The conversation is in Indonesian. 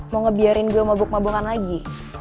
mau ngebiarin gue mabuk mabokan lagi